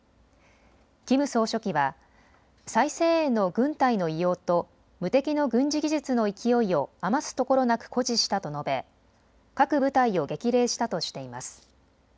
キム総書記は最精鋭の軍隊の威容と無敵の軍事技術の勢いを余すところなく誇示したと述べ、各部隊を激励したとしています。